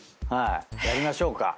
やりましょうか。